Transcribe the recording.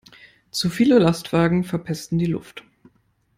Zu viele Lastwagen verpesten die Luft.